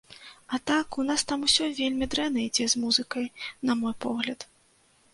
А так, у нас там усё вельмі дрэнна ідзе з музыкай, на мой погляд.